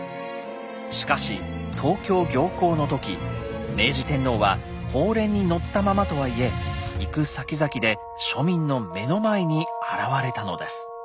しかし東京行幸の時明治天皇は鳳輦に乗ったままとはいえ行くさきざきで庶民の目の前に現れたのです。